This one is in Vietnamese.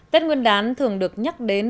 tết nguyên đán thường được nhắc đến